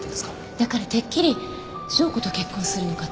だからてっきり紹子と結婚するのかと。